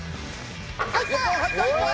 入った！